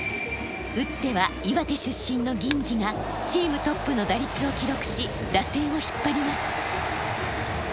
打っては岩手出身の銀次がチームトップの打率を記録し打線を引っ張ります。